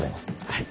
はい。